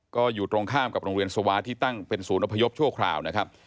ก็อยู่ตรงข้ามกับโรงเรียนสวาสที่ตั้งเป็นศูนย์อพยพชั่วคราวนะครับ